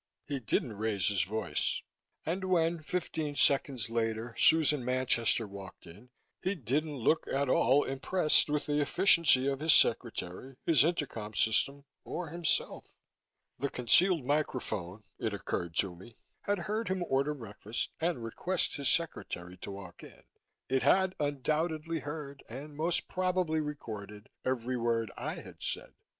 He didn't raise his voice; and when, fifteen seconds later, Susan Manchester walked in, he didn't look at all impressed with the efficiency of his secretary, his intercom system, or himself. The concealed microphone, it occurred to me, had heard him order breakfast and request his secretary to walk in. It had undoubtedly heard and most probably recorded every word I had said.